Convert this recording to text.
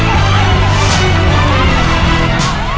อีกลูกเท่าไหร่